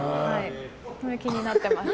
気になってます。